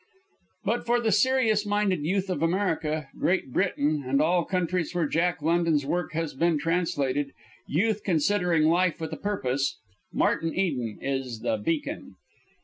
But for the serious minded youth of America, Great Britain, and all countries where Jack London's work has been translated youth considering life with a purpose "Martin Eden" is the beacon.